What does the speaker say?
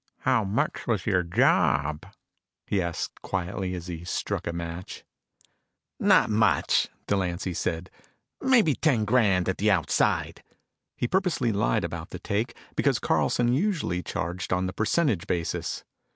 "How much was your job?" he asked quietly as he struck a match. "Not much," Delancy said. "Maybe ten grand at the outside." He purposely lied about the take because Carlson usually charged on the percentage basis.